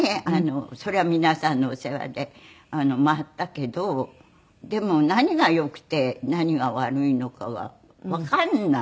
それは皆さんのお世話で回ったけどでも何が良くて何が悪いのかがわかんない。